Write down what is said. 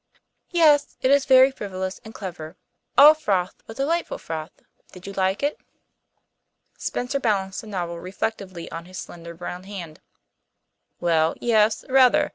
"Yes. It is very frivolous and clever all froth but delightful froth. Did you like it?" Spencer balanced the novel reflectively on his slender brown hand. "Well, yes, rather.